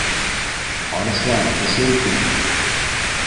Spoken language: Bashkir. Арыҫлан, төшөр, тим